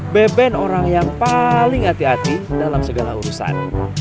beben orang yang paling hati hati dalam segala urusan